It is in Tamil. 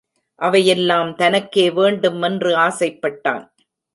அவையெல்லாம் தனக்கே வேண்டும் என்று ஆசைப்பட்டான்.